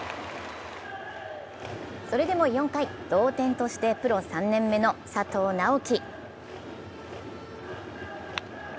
それでも４回、同点としてプロ３年目の佐藤直樹。